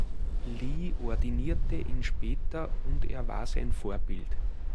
Lee ordinierte ihn später und er war sein Vorbild.